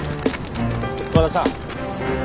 和田さん。